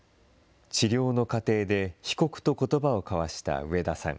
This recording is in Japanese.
治療の過程で被告とことばを交わした上田さん。